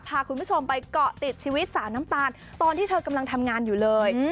พาคุณผู้ชมไปเกาะติดชีวิตสาวน้ำตาลตอนที่เธอกำลังทำงานอยู่เลย